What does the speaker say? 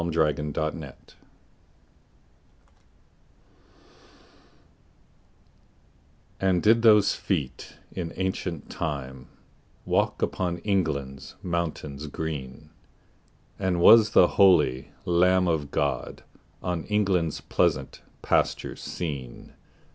Y Z Jerusalem AND did those feet in ancient time Walk upon England's mountains green? And was the holy Lamb of God On England's pleasant pastures seen?